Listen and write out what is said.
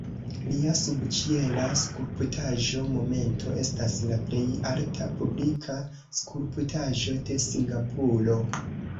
Lia subĉiela skulptaĵo "Momento" estas la plej alta publika skulptaĵo de Singapuro.